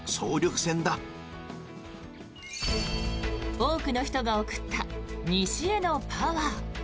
多くの人が送った西へのパワー。